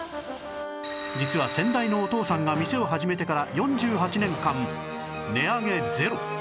実は先代のお父さんが店を始めてから４８年間値上げゼロ